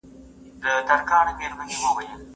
د تاریخ اصلي کرکټرونه باید په سمه توګه وپېژندل سي.